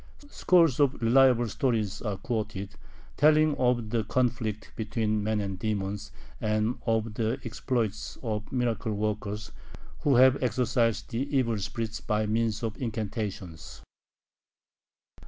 Scores of "reliable" stories are quoted, telling of the conflicts between men and demons and of the exploits of miracle workers who have exorcised the evil spirits by means of incantations.